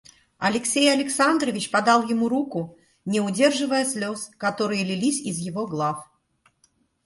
Алексей Александрович подал ему руку, не удерживая слез, которые лились из его глав.